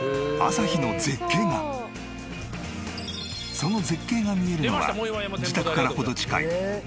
その絶景が見えるのは自宅から程近い藻岩山展望台。